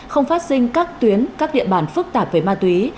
không phát sinh các tuyến các địa bàn phức tạp về ma túy